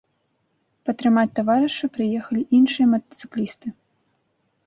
Падтрымаць таварыша прыехалі іншыя матацыклісты.